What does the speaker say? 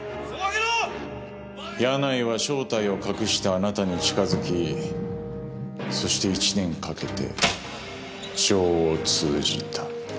柳井は正体を隠してあなたに近づきそして１年かけて情を通じた。